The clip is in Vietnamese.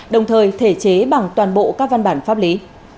đồng thời thể chế bằng toàn bộ các văn bản pháp lý